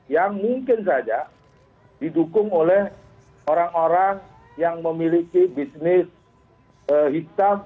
yang mungkin saja didukung oleh orang orang yang memiliki bisnis hitam